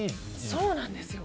そうなんですよ！